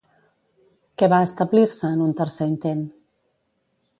Què va establir-se en un tercer intent?